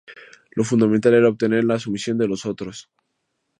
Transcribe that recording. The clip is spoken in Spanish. Lo fundamental era obtener la sumisión de los otros.